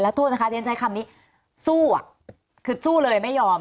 โทษนะคะเรียนใช้คำนี้สู้คือสู้เลยไม่ยอม